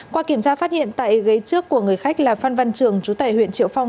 qua kiểm tra phát hiện tại ghế trước của người khách là phan văn trường chú tài huyện triệu phong